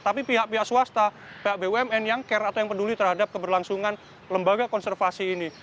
tapi pihak pihak swasta pihak bumn yang care atau yang peduli terhadap keberlangsungan lembaga konservasi ini